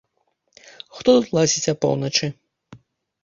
Хто тут лазіць апоўначы?